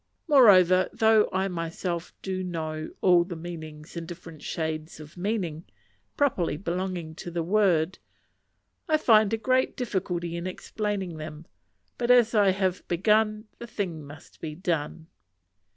Moreover, though I myself do know all the meanings and different shades of meaning, properly belonging to the word, I find a great difficulty in explaining them; but as I have begun, the thing must be done.